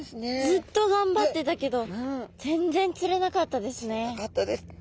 ずっとがんばってたけど全然釣れなかったですね。